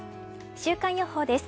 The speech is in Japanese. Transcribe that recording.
週間予報です。